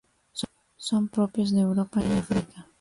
Son propios de Europa y África.